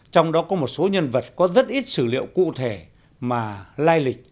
trong đó có một số nhân vật có rất ít sử liệu cụ thể mà lai lịch